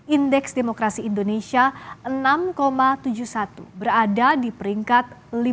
indeks demokrasi indonesia enam tujuh puluh satu berada di peringkat lima puluh